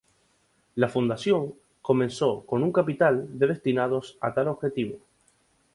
La Fundación comenzó con un capital de destinados a tal objetivo.